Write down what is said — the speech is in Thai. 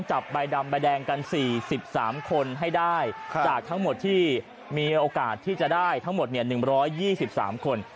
จากทั้งหมดที่มีโอกาสที่จะได้ทั้งหมดเนี่ยหนึ่งร้อยยี่สิบสามคน